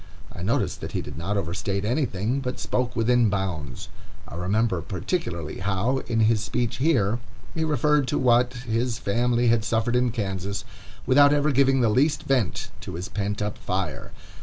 I noticed that he did not overstate anything, but spoke within bounds. I remember, particularly, how, in his speech here, he referred to what his family had suffered in Kansas, without ever giving the least vent to his pent up fire.